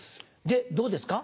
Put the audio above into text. でどうですか？